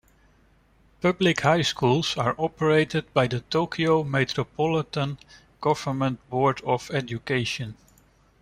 Public high schools are operated by the Tokyo Metropolitan Government Board of Education.